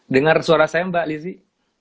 dengar suara saya mbak lizzie